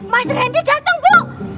mas randy dateng bu